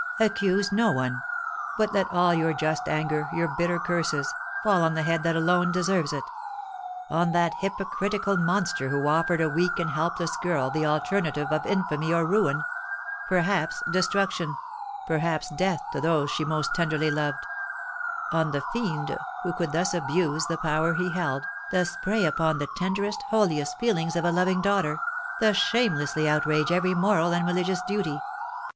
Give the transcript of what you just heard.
Accuse no one; but let all your just anger, your bitter curses, fall on the head that alone deserves it, on that hypocritical monster who offered a weak and helpless girl the alternative of infamy or ruin; perhaps destruction; perhaps death to those she most tenderly loved, on the fiend who could thus abuse the power he held, thus prey upon the tenderest, holiest feelings of a loving daughter, thus shamelessly outrage every moral and religious duty.